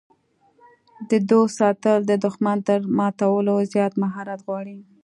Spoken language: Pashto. د دوست ساتل د دښمن تر ماتولو زیات مهارت غواړي.